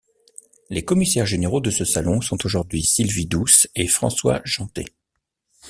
Les commissaires généraux de ce salon sont aujourd’hui Sylvie Douce et François Jeantet.